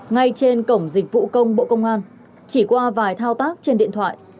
ngay trên cổng dịch vụ công bộ công an chỉ qua vài thao tác trên điện thoại